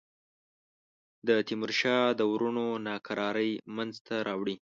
د تیمورشاه د وروڼو ناکراری منځته راوړي.